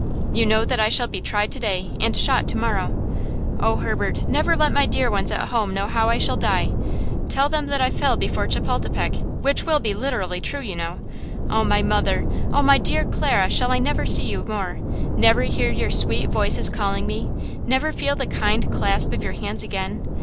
"You know that I shall be tried to day and shot to morrow! Oh, Herbert, never let my dear ones at home know how I shall die. Tell them that I fell before Chepultepec–which will be literally true, you know. Oh, my mother! Oh, my dear Clara, shall I never see you more? Never hear your sweet voices calling me? Never feel the kind clasp of your hands again?